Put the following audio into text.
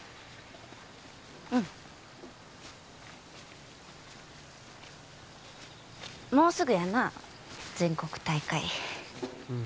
うんもうすぐやな全国大会うん